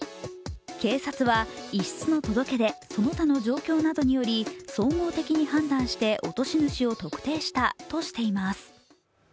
警察は、遺失の届け出、その他の状況などにより、総合的に判断して落とし主を特定したとしています。